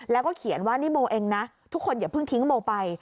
แล้วก็เขียนว่านี่โมเองนะทุกคนอย่าเพิ่งทิ้งโมไป